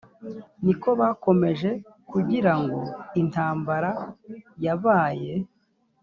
ni ko bakomeje kugira ngo intambara yabaye